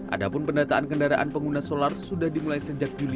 adapun pendataan kendaraan pengguna solar sudah dimulai sejak juli dua ribu dua puluh dua